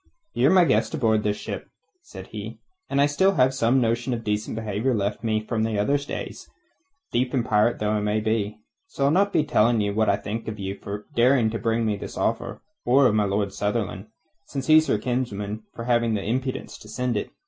"Ye're my guest aboard this ship," said he, "and I still have some notion of decent behaviour left me from other days, thief and pirate though I may be. So I'll not be telling you what I think of you for daring to bring me this offer, or of my Lord Sunderland since he's your kinsman for having the impudence to send it.